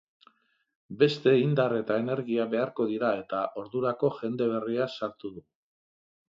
Beste indar eta energia beharko dira eta ordurako jende berria sartu dugu.